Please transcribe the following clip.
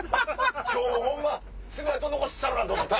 今日ホンマ爪痕残したら！と思って。